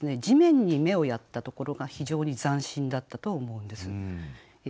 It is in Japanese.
地面に目をやったところが非常に斬新だったと思うんです。